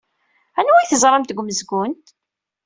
Anwa ay teẓramt deg umezgun?